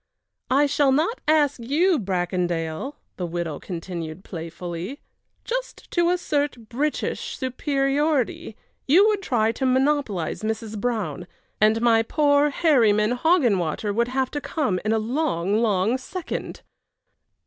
"I shall not ask you, Bracondale," the widow continued, playfully. "Just to assert British superiority, you would try to monopolize Mrs. Brown, and my poor Herryman Hoggenwater would have to come in a long, long second!"